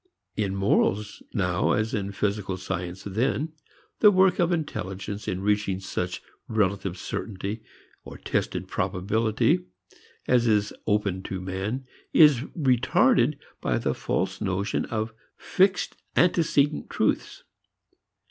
In morals now, as in physical science then, the work of intelligence in reaching such relative certainty, or tested probability, as is open to man is retarded by the false notion of fixed antecedent truths.